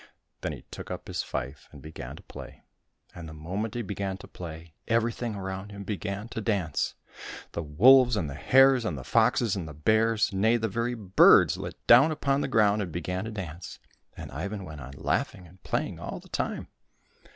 Then he took up his fife and began to play, and the moment he began to play, everything around him began to dance ; the v^olves, and the hares, and the foxes, and the bears, nay, the very birds lit down upon the ground and began to dance, and Ivan w^ent on laughing and playing all the time.